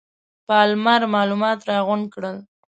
پالمر معلومات راغونډ کړل.